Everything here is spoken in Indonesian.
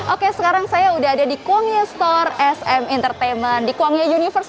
oke sekarang saya udah ada di kuangya store sm entertainment di kuangya universe